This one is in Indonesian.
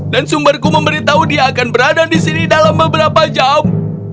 dan sumberku memberitahu dia akan berada di sini dalam beberapa jam